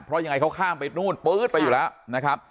เพราะยังไงเขาข้ามไปนู่นปื๊ดไปอยู่แล้วนะครับ